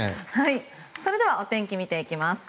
それではお天気見ていきます。